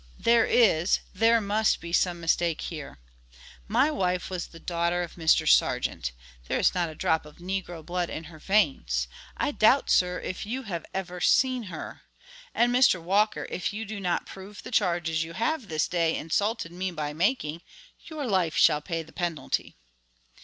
"There is, there must be some mistake here. My wife was the daughter of Mr. Sargeant. There is not a drop of Negro blood in her veins; I doubt, sir, if you have ever seen her. And, Mr. Walker, if you do not prove the charges you have this day insulted me by making, your life shall pay the penalty."